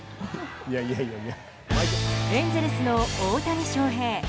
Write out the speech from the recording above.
エンゼルスの大谷翔平。